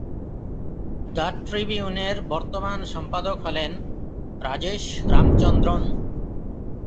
The "ট্রিবিউনের" বর্তমান সম্পাদক হলেন রাজেশ রামচন্দ্রন।